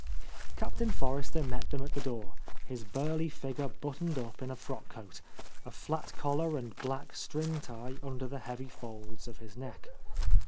Captain Forrester met them at . the door, his burly figure buttoned up in a frock coat, a flat collar and black string tie under the heavy folds of his neck.